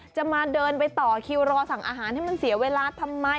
จะมาเดินไปต่อคิวรอสั่งอาหารให้มันเสียเวลาทำไม